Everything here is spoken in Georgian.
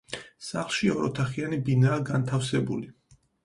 სახლში ოროთახიანი ბინაა განთავსებული.